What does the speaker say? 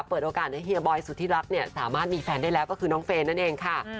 เปิดโอกาสให้เฮียบอยสุธิรักเนี่ยสามารถมีแฟนได้แล้วก็คือน้องเฟย์นั่นเองค่ะ